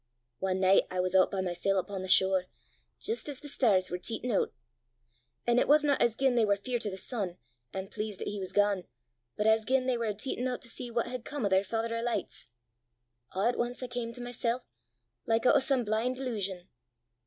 Ae nicht I was oot by mysel' upo' the shore, jist as the stars war teetin' oot. An' it wasna as gien they war feart o' the sun, an' pleast 'at he was gane, but as gien they war a' teetin' oot to see what had come o' their Father o' Lichts. A' at ance I cam to mysel', like oot o' some blin' delusion.